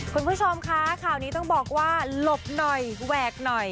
คุณผู้ชมคะข่าวนี้ต้องบอกว่าหลบหน่อยแหวกหน่อย